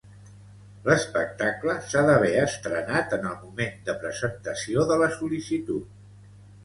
L'espectacle s'ha d'haver estrenat en el moment de presentació de la sol·licitud.